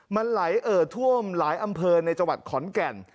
มันไหลเอ่อท่วมหลายอำเภอในจังหวัดขอนแก่น